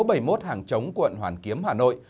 bốt hàng chống quận hoàn kiếm hà nội